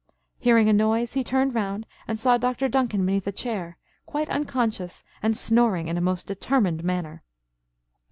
Hearing a noise, he turned round and saw Dr. Duncan beneath a chair, quite unconscious, and snoring in a most determined manner.